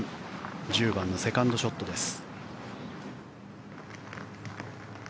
１０番のセカンドショットです。